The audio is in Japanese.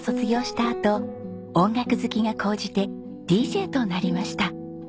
あと音楽好きが高じてＤＪとなりました。